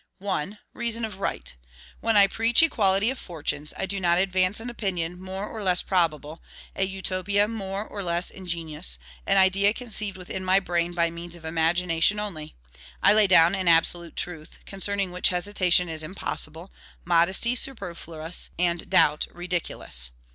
1. Reason of right. When I preach equality of fortunes, I do not advance an opinion more or less probable, a utopia more or less ingenious, an idea conceived within my brain by means of imagination only. I lay down an absolute truth, concerning which hesitation is impossible, modesty superfluous, and doubt ridiculous.